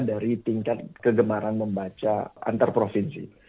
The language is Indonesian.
dari tingkat kegemaran membaca antar provinsi